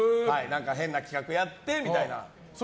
変な企画やってみたいな。